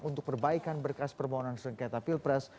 untuk perbaikan berkas permohonan sengketa pilpres